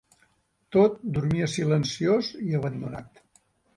Tot dormia silenciós i abandonat.